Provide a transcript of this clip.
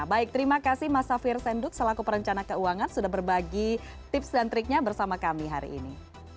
baik terima kasih mas safir senduk selaku perencana keuangan sudah berbagi tips dan triknya bersama kami hari ini